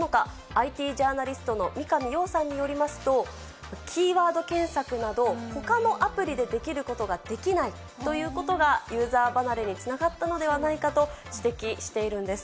ＩＴジャーナリストの三上洋さんによりますと、キーワード検索など、ほかのアプリでできることができないということが、ユーザー離れにつながったのではないかと指摘しているんです。